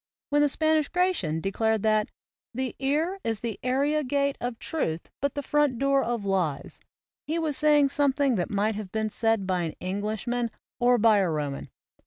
When the Spanish Gracian declared that "the ear is the area gate of truth but the front door of lies," he was saying something 103 AMERICAN APHORISMS that might have been said by an Englishman or by a Roman.